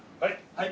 はい。